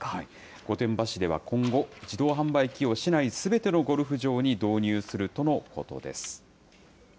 御殿場市では今後、自動販売機を市内すべてのゴルフ場に導入するとのことです。